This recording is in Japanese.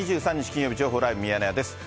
金曜日、情報ライブミヤネ屋です。